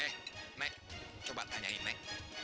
eh nek coba tanyain nek